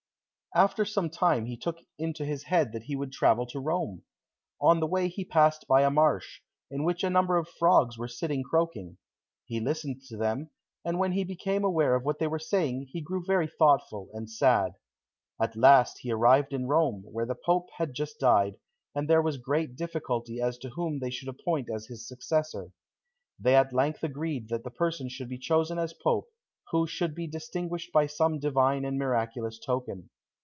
After some time he took it into his head that he would travel to Rome. On the way he passed by a marsh, in which a number of frogs were sitting croaking. He listened to them, and when he became aware of what they were saying, he grew very thoughtful and sad. At last he arrived in Rome, where the Pope had just died, and there was great difficulty as to whom they should appoint as his successor. They at length agreed that the person should be chosen as pope who should be distinguished by some divine and miraculous token.